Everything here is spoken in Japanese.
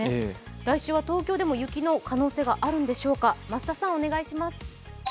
来週は東京でも雪の可能性があるんでしょうか？